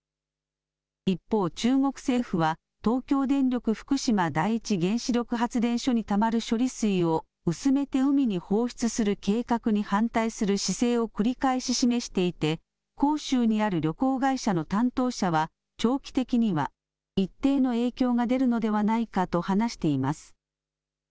一方、中国政府は、東京電力福島第一原子力発電所にたまる処理水を薄めて海に放出する計画に反対する姿勢を繰り返し示していて、広州にある旅行会社の担当者は、長期的には一定の影響が出るのではないかと話しています。